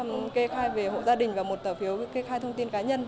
và một tờ phiếu kê khai về hộ gia đình và một tờ phiếu kê khai thông tin cá nhân